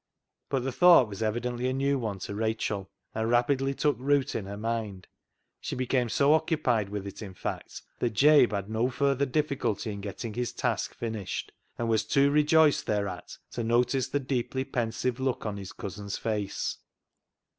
But the thought was evidently a new one to Rachel, and rapidly took root in her mind. She became so occupied with it, in fact, that Jabe had no further difficulty in getting his task finished, and was too rejoiced thereat to notice the deeply pensive look on his cousin's face.